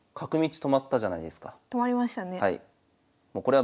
止まりましたね。